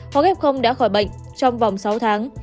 hóa ghép không đã khỏi bệnh trong vòng sáu tháng